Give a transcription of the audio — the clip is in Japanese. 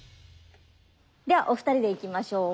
ではお二人でいきましょう。